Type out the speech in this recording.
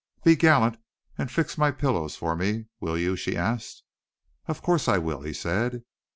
"Be gallant and fix my pillows for me, will you?" she asked. "Of course I will," he said.